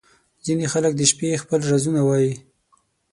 • ځینې خلک د شپې خپل رازونه وایې.